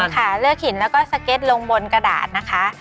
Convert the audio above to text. ค่ะเลือกหินแล้วก็สเก็ตลงบนกระดาษนะคะ